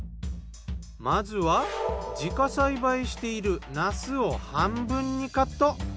まずは自家栽培しているなすを半分にカット。